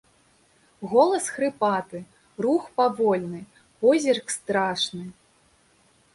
Голас хрыпаты, рух павольны, позірк страшны.